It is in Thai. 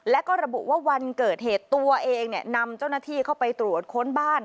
แล้วก็ระบุว่าวันเกิดเหตุตัวเองนำเจ้าหน้าที่เข้าไปตรวจค้นบ้าน